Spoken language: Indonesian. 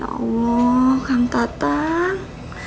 ya allah kamu datang